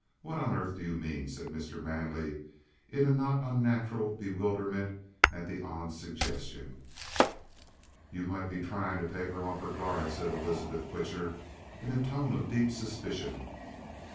What on earth do you mean?" said Mr. Manley, in a not unnatural bewilderment at the odd suggestion. "You might be trying to take her off her guard," said Elizabeth Twitcher in a tone of deep suspicion.